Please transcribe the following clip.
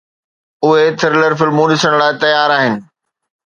اهي ٿرلر فلمون ڏسڻ لاءِ تيار آهن